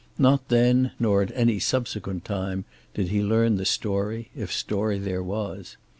Not then, nor at any subsequent time, did he learn the story, if story there was.